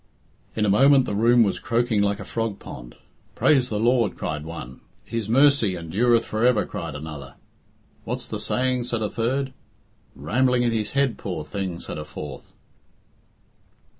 In a moment the room was croaking like a frog pond. "Praise the Lord!" cried one. "His mercy endureth for ever," cried another. "What's he saying?" said a third. "Rambling in his head, poor thing," said a fourth.